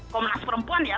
komnas perempuan ya